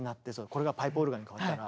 これがパイプオルガンにかわったら。